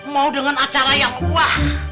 mau dengan acara yang wah